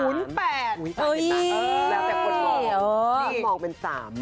แล้วแต่คนบอกมองเป็น๓